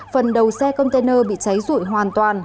phần đầu xe container bị cháy rụi hoàn toàn